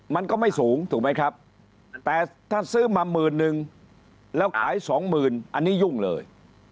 มันก็ไม่สูงถูกไหมครับแต่ถ้าซื้อมา๑๐๐๐๐แล้วขาย๒๐๐๐๐อันนี้ยุ่งเลย